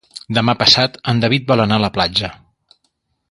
Demà passat en David vol anar a la platja.